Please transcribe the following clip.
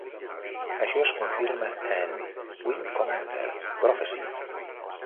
Això es confirma en "Wing Commander: Prophecy".